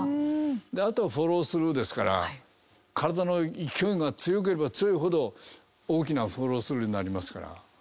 あとはフォロースルーですから体の勢いが強ければ強いほど大きなフォロースルーになりますから。